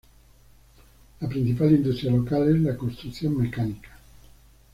La principal industria local es la construcción mecánica.